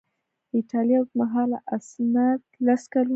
د ایټالیا اوږدمهاله اسناد لس کلونه